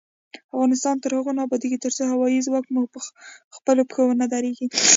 افغانستان تر هغو نه ابادیږي، ترڅو هوايي ځواک مو پخپلو پښو ونه دریږي.